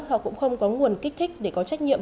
họ cũng không có nguồn kích thích để có trách nhiệm